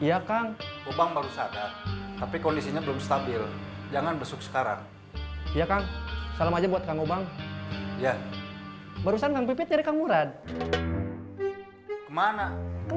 aku belum tahu kau clusters apa mah